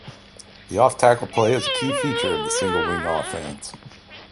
The off-tackle play is a key feature of the single wing offense.